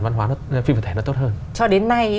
văn hóa phi vật thể nó tốt hơn cho đến nay